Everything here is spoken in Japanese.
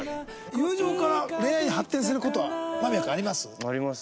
友情から恋愛に発展する事は間宮君あります？あります。